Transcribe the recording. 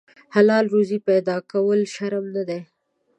حلاله روزي پیدا کول شرم نه دی.